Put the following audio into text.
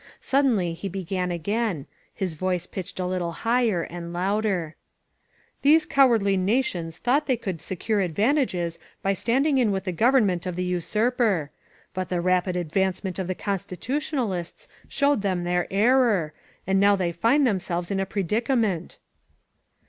Suddenly he be gan again, his voice pitched a little higher and louder: "These cowardly nations thought they could se cure advantages by standing in with the government of the usurper. But the rapid advancement of the Constitutionalists showed them their error, and now they find themselves in a predicament."